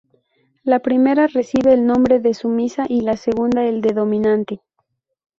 La primera recibe el nombre de sumisa, y la segunda el de dominante.